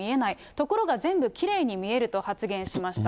ところが全部きれいに見えると発言しました。